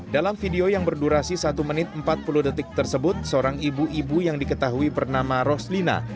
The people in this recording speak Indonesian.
dalam video yang berdurasi satu menit empat puluh detik tersebut seorang ibu ibu yang diketahui bernama roslina